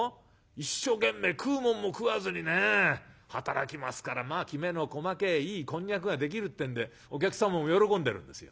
一生懸命食うもんも食わずにね働きますからまあきめの細けえいいこんにゃくができるってんでお客様も喜んでるんですよ。